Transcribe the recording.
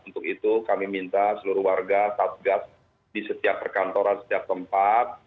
untuk itu kami minta seluruh warga satgas di setiap perkantoran setiap tempat